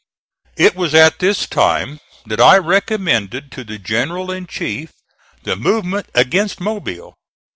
It was at this time that I recommended to the general in chief the movement against Mobile.